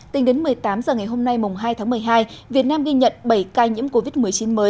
tính đến một mươi tám h ngày hôm nay mùng hai tháng một mươi hai việt nam ghi nhận bảy ca nhiễm covid một mươi chín mới